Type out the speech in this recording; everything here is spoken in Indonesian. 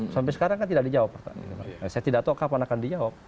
sampai sekarang kan tidak dijawab saya tidak tahu kapan akan dijawab